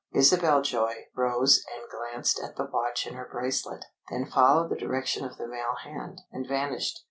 Isabel Joy rose and glanced at the watch in her bracelet; then followed the direction of the male hand, and vanished.